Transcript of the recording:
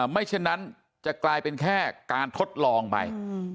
ไม่เช่นนั้นจะกลายเป็นแค่การทดลองไป